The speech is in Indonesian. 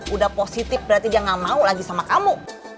udah positif berarti dia gak mau lagi sama kamu